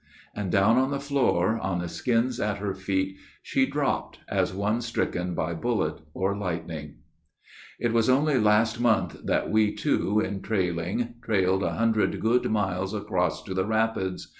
And down on the floor, on the skins at her feet She dropped as one stricken by bullet or lightning. It was only last month that we two, in trailing, Trailed a hundred good miles across to the rapids.